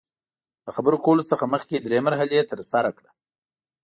د خبرو کولو څخه مخکې درې مرحلې ترسره کړه.